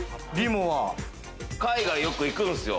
海外よく行くんすよ。